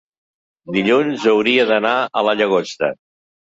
dilluns hauria d'anar a la Llagosta.